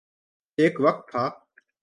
ایک وقت تھا۔